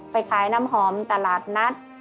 ไปขายน้ำหอมตลาดนัด